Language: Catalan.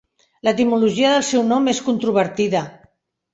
L'etimologia del seu nom és controvertida.